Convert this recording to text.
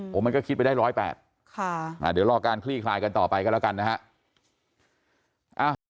มันก็คิดไปได้๑๐๘เดี๋ยวรอการคลี่คลายกันต่อไปกันแล้วกันนะฮะ